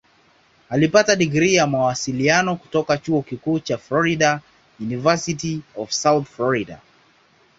Alipata digrii ya Mawasiliano kutoka Chuo Kikuu cha Florida "University of South Florida".